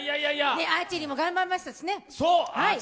アーチェリーも頑張りましたしね。